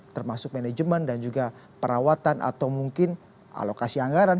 termasuk manajemen dan juga perawatan atau mungkin alokasi anggaran